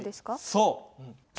そう。